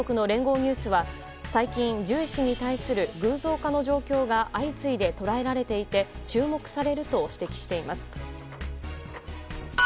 ニュースは最近、ジュエ氏に対する偶像化の状況が相次いで捉えられていて注目されると指摘しています。